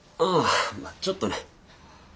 うんちょっとね。